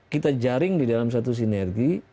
kita jaring di dalam satu sinergi